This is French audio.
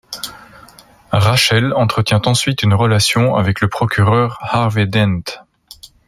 Rachel entretient ensuite une relation avec le procureur Harvey Dent.